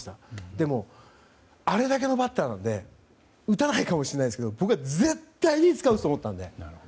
でも、あれだけのバッターなので打たないかもしれないですが僕は絶対にいつか打つと思ったんです。